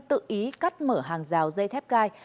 tự ý cắt mở hàng rào dây thép gai